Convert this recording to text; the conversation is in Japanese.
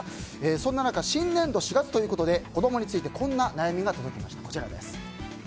そんな中新年度の４月ということで子供についてこんな悩みが届きました。